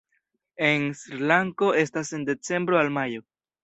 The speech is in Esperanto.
En Srilanko estas en decembro al majo.